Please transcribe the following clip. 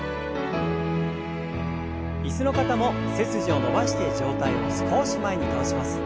椅子の方も背筋を伸ばして上体を少し前に倒します。